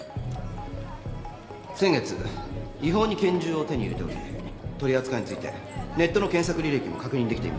先月違法に拳銃を手に入れており取り扱いについてネットの検索履歴も確認できています。